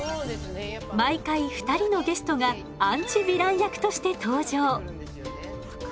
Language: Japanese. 毎回２人のゲストがアンチヴィラン役として登場。